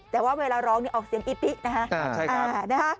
แต่ว่าเวลาร้องนี่ออกเสียงอีปินะฮะ